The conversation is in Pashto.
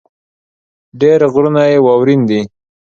ډېر غرونه يې واؤرين دي ـ